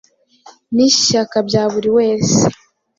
n’ishyaka bya buri wese.